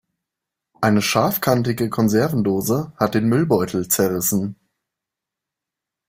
Eine scharfkantige Konservendose hat den Müllbeutel zerrissen.